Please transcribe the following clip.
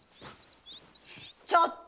ちょっと！